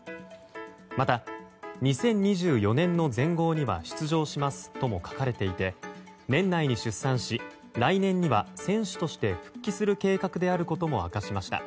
また、２０２４年の全豪には出場しますとも書かれていて年内に出産し来年には選手として復帰する計画であることも明かしました。